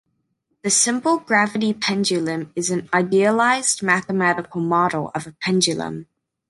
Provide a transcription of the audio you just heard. The "simple gravity pendulum" is an idealized mathematical model of a pendulum.